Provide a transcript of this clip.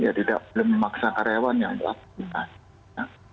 ya tidak memaksa karyawan yang tidak punya